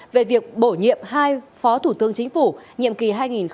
về việc bổ nhiệm hai phó thủ tướng chính phủ nhiệm kỳ hai nghìn hai mươi một hai nghìn hai mươi sáu